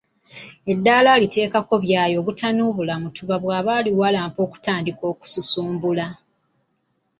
Eddaala aliteekako bwenyi obutanuubula mutuba bw’aba aliwalampa okutandika okususubula.